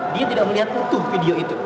dia tidak melihat utuh video itu